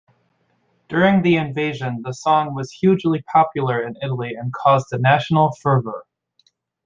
During the invasion the song was hugely popular in Italy and caused national fervor.